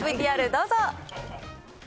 ＶＴＲどうぞ。